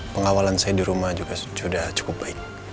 pengawalan saya di rumah juga sudah cukup baik